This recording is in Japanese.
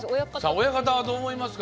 親方はどう思いますか？